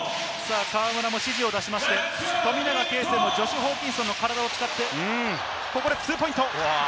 河村も指示を出しまして富永啓生、ジョシュ・ホーキンソンの体を使ってここでツーポイント。